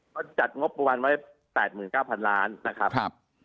เขาจัดงบประมาณไว้๘๙๐๐ล้านนะครับ